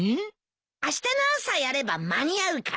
あしたの朝やれば間に合うから。